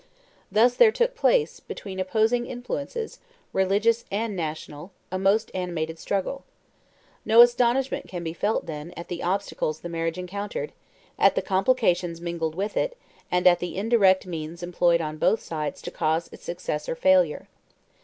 Thus there took place, between opposing influences, religious and national, a most animated struggle. No astonishment can be felt, then, at the obstacles the marriage encountered, at the complications mingled with it, and at the indirect means employed on both sides to cause its success or failure.